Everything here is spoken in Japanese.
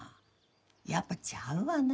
やっぱちゃうわな。